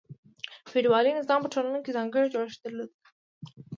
فیوډالي نظام په ټولنه کې ځانګړی جوړښت درلود.